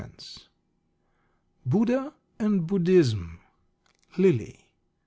Buddha and Buddhism, Lillie.